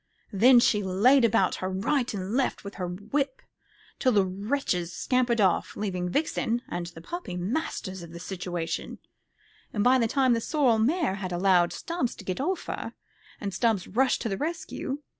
Then she laid about her right and left with her whip till the wretches scampered off, leaving Vixen and the puppy masters of the situation; and by this time the sorrel mare had allowed Stubbs to get off her, and Stubbs rushed to the rescue.